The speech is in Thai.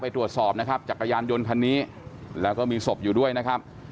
ตรวจสอบนะครับจักรยานยนต์คันนี้แล้วก็มีศพอยู่ด้วยนะครับ